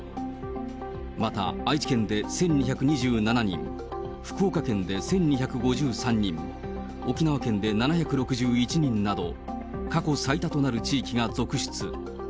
また、愛知県で１２２７人、福岡県で１２５３人、沖縄県で７６１人など、過去最多となる地域が続出。